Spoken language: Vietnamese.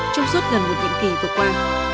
trong suốt gần một diễn kỳ vừa qua